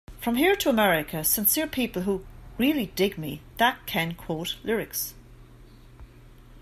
From here to America, sincere people who really dig me, that can quote lyrics.